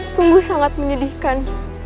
sungguh sangat menyedihkan